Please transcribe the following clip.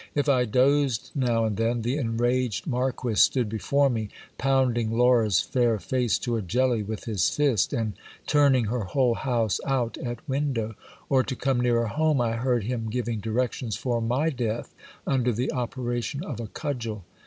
If I dozed now and then, the enraged marquis stood before me, pounding Laura's fair face to a jelly with his fist, and turning her whole house out at window ; or to come nearer home, I heard him giving directions for my death under the operation of a cudgel.